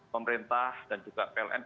pemerintah dan juga pln